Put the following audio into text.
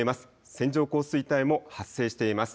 線状降水帯も発生しています。